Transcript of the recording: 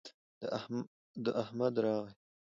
د احمد راغى